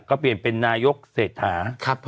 ก็เปลี่ยนเป็นนายกเศรษฐา